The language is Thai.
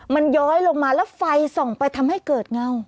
มันย้อยลงมาแล้วไฟส่องไปทำให้เกิดเงา